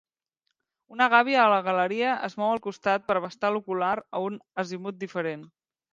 Una gàbia a la galeria es mou al costat per abastar l'ocular a un azimut diferent.